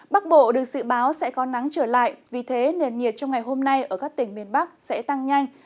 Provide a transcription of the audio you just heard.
bắc bộ được dự báo sẽ có nắng trở lại vì thế nền nhiệt trong ngày hôm nay ở các tỉnh miền bắc sẽ tăng nhanh